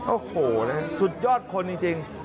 โอ้โหนะฮะสุดยอดคนจริง